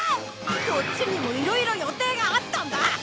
こっちにもいろいろ予定があったんだ！